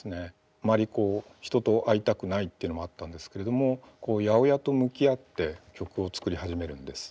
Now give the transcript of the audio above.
あまり人と会いたくないっていうのもあったんですけれども８０８と向き合って曲を作り始めるんです。